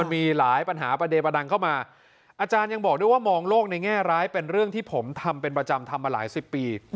มีหลายปัญหาประเด็นประดังเข้ามาอาจารย์ยังบอกด้วยว่ามองโลกในแง่ร้ายเป็นเรื่องที่ผมทำเป็นประจำทำมาหลายสิบปี